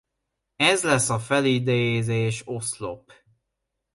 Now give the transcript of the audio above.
Ez lesz a felidézés oszlop.